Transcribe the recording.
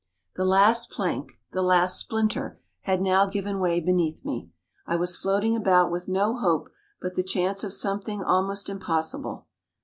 The last plank, the last splinter, had now given way beneath me. I was floating about with no hope but the chance of something almost impossible.